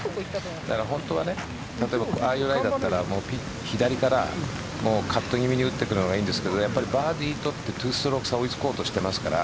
本当はああいうライだったら左からカット気味に打っていくのがいいんですがバーディー取って２ストローク差を追いつこうとしていますから。